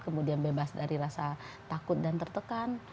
kemudian bebas dari rasa takut dan tertekan